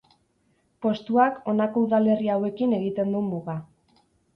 Postuak honako udalerri hauekin egiten du muga.